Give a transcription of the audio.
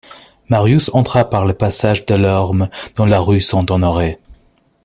Marius entra par le passage Delorme dans la rue Saint-Honoré.